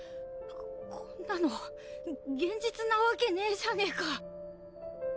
こんなの現実なわけねえじゃねか！